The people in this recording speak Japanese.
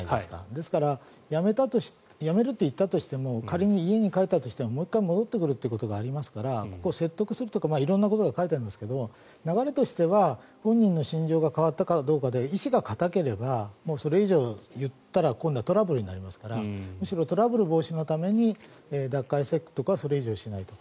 ですからやめると言ったとしても仮に家に帰ったとしてももう１回戻ってくるということがありますからここ、説得するとか色々なことが書いていますが流れとしては本人の信条が変わったかどうかで意思が固ければそれ以上言ったら今度はトラブルになりますからむしろトラブル防止のためにそれ以上はしないと。